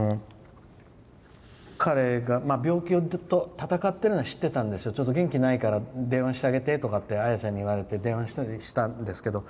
彼が病気と闘っているのは知ってたんですけどちょっと元気ないから電話してあげてって綾ちゃんに言われて電話したりしたんですけど。